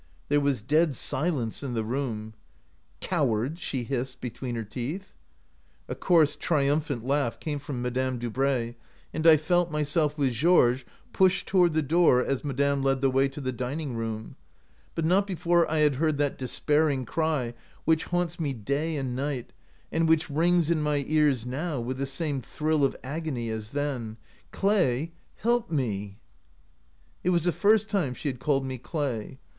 There was dead silence in the room. " 'Coward/ ' she hissed between her teeth. A coarse, triumphant laugh came from 30 m* OUT OF BOHEMIA Madame Dubray, and I felt myself with Georges pushed toward the door as ma dame led the way to the dining room, but not before I had heard that despairing cry which haunts me day and night, and which rings in my ears now with the same thrill of agony as then —' Clay, help me!' " It was the first time she had called me Clay.